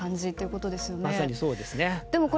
まさにそうですね。